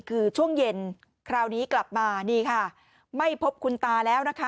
คือช่วงเย็นคราวนี้กลับมานี่ค่ะไม่พบคุณตาแล้วนะคะ